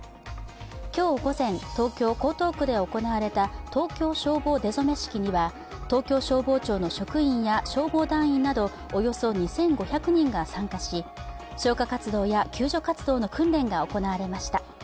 今日午前、東京・江東区で行われた東京消防出初式には東京消防庁の職員や消防団員などおよそ２５００人が参加し消火活動や救助活動の訓練が行われました。